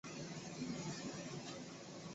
没有一个提出的候选人称为结婚对象。